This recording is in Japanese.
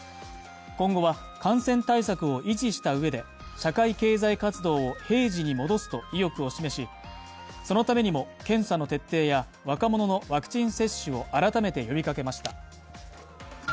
今後は感染対策を維持したうえで社会経済活動を平時に戻すと意欲を示しそのためにも検査の徹底や若者のワクチン接種を改めて呼びかけました。